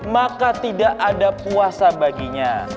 maka tidak ada puasa baginya